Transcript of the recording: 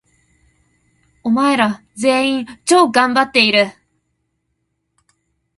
お前ら、全員、超がんばっている！！！